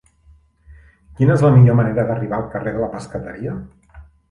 Quina és la millor manera d'arribar al carrer de la Pescateria?